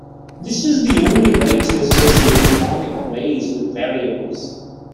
This was the only way to associate mnemonic names with variables.